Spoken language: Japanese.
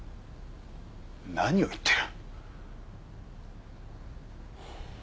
何を言ってる？